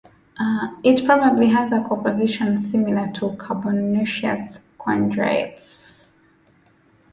It probably has a composition similar to carbonaceous chondrites.